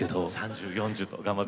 ３０４０と頑張って。